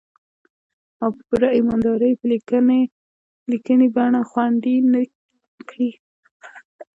او په پوره ايمان دارۍ يې په ليکني بنه خوندي نه کړي.